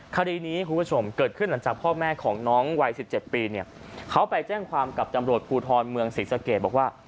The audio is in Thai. คดีนี้คุณผู้ชมเกิดขึ้นหลังจากพ่อแม่ของน้องวัย๑๗ปีเนี่ยเขาไปแจ้งความกับจำรวจภูทรเมืองศรีสะเกดบอกว่า